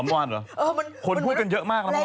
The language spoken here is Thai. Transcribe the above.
อ๋อมันผ่านกันเยอะมากแล้ว